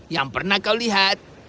yang pernah kau lihat